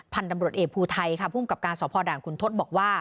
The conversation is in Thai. ตำรวจเอกภูไทยค่ะภูมิกับการสพด่านคุณทศบอกว่า